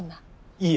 いい？